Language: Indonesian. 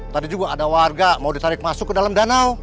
tadi juga ada warga mau ditarik masuk ke dalam danau